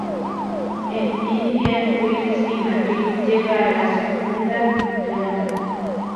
En Indian Wells y Madrid, llega a la secunda ronda.